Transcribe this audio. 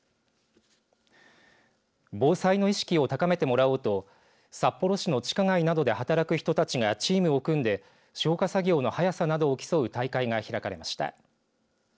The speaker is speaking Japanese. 防災の意識を高めてもらおうと札幌市の地下街などで働く人たちがチームを組んで消火作業の早さなどを競う大会が開かれました。